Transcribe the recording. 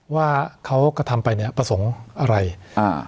ว่าเขากระทำไปเนี้ยประสงค์อะไรอ่า